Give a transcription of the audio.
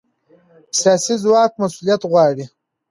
سیاسي ځواک مسؤلیت غواړي